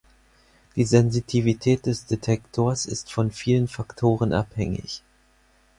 Die Sensitivität des Detektors ist von vielen Faktoren abhängig.